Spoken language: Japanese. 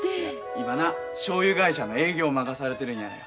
今なしょうゆ会社の営業を任されてるんやらよ。